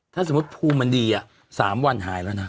ถ้าสมมุติภูมิมันดี๓วันหายแล้วนะ